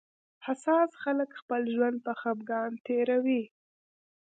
حساس خلک خپل ژوند په خپګان تېروي